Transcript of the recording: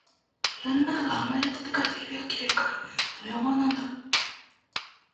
室のなかがあんまり暖かいとひびがきれるから、その予防なんだ